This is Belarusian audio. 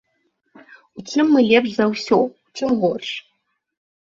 У чым мы лепш за ўсё, у чым горш?